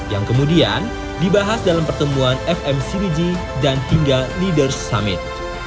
yang kemudian dibahas dalam pertemuan fmcd dan hingga leaders summit